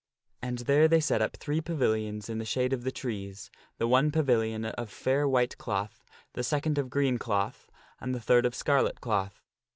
And there they set up three pavilions in the shade of the trees ; the one pavilion of fair white cloth, the second of green cloth, and the third of Sir Pellias and scarlet cloth.